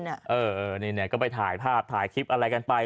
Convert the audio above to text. นี่ก็ไปถ่ายภาพถ่ายคลิปอะไรกันไป